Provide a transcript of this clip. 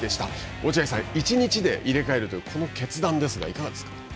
落合さん、１日で入れ替えるという、この決断ですが、いかがですか。